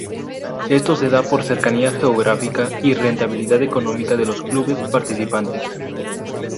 Esto se da por cercanía geográfica y rentabilidad económica de los clubes participantes.